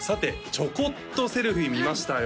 ちょこっとセルフィー見ましたよ